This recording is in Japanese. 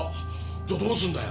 じゃあどうすんだよ？